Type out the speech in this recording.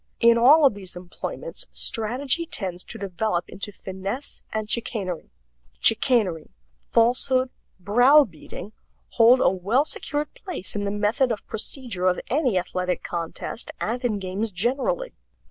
In all of these employments strategy tends to develop into finesse and chicanery. Chicanery, falsehood, browbeating, hold a well secured place in the method of procedure of any athletic contest and in games generally.